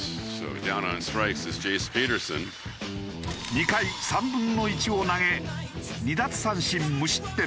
２回３分の１を投げ２奪三振無失点。